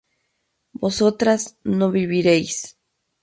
vosotras no viviréis